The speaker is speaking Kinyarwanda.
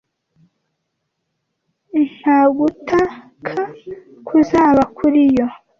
nta gutaka kuzaba kuriyo